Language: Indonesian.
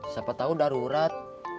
siapa tahu darurat